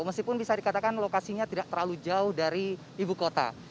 meskipun bisa dikatakan lokasinya tidak terlalu jauh dari ibu kota